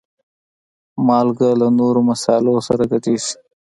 مالګه له نورو مصالحو سره ګډېږي.